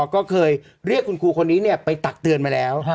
ก็เคยเรียกคุณครูคนนี้ไปตักเตือนมาแล้ว